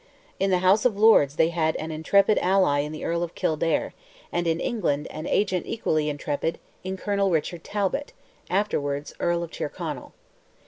In the House of Lords they had an intrepid ally in the Earl of Kildare, and in England an agent equally intrepid, in Colonel Richard Talbot, afterwards Earl of Tyrconnell.